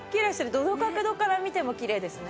どの角度から見てもきれいですね。